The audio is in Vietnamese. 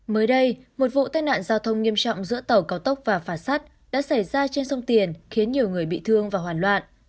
mới đây một vụ tai nạn giao thông nghiêm trọng giữa tàu cao tốc và phà sát đã xảy ra trên sông tiền khiến nhiều người bị thương và hoàn loạn